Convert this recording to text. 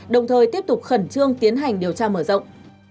đồng thời tiếp tục khẩn trương tiến hành điều tra mở rộng